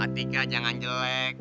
atika jangan jelek